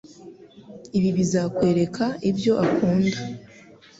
Ibi bizakwereka ibyo akunda